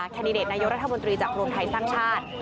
คันนิเดชนายธบทจากโรงไทยสร้างชาติ